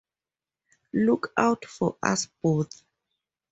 Look out for us both.